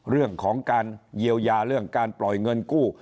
เรื่องของการเยียวยาเรื่องการปล่อยเงินกู้